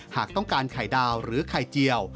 หากต้องการไข่ดาวหรือไข่เจียว